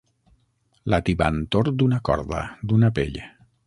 La tibantor d'una corda, d'una pell.